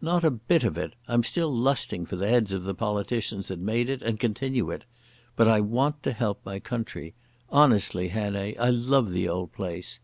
"Not a bit of it. I'm still lusting for the heads of the politicians that made it and continue it. But I want to help my country. Honestly, Hannay, I love the old place.